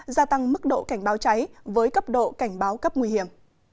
gia tăng mức độ cảnh báo cháy với cấp độ cảnh báo cấp nguy hiểm